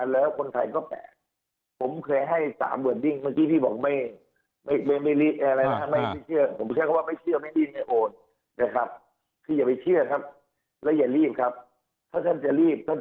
แล้วคนไทยก็แปลกผมเคยให้๓เริ่มยิ่ง